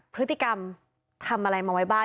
พฤติกรรมทำอะไรมาไว้บ้าง